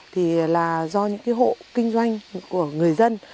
thì là do những hộ kinh doanh của người dân